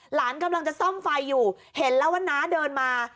หลานกำลังจะซ่อมไฟอยู่เห็นแล้วว่าน้าเดินมา